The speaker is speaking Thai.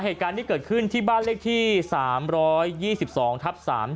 เหตุการณ์ที่เกิดขึ้นที่บ้านเลขที่สามร้อยยี่สิบสองทับสาม